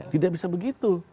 tidak bisa begitu